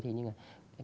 thế nhưng mà